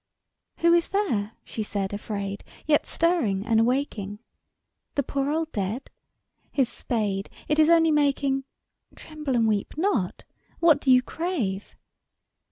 II. Who is there, she said afraid, yet Stirring and awaking The poor old dead? His spade, it Is only making, — (Tremble and weep not I What do you crave